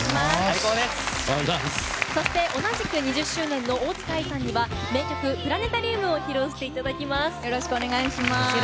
そして同じく２０周年の大塚愛さんには名曲「プラネタリウム」を披露していただきます。